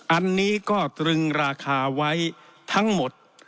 อันนี้ก็ตรึงราคาไว้ทั้งหมด